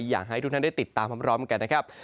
อยากให้ทุกท่านได้ติดตามพร้อมกันนะครับ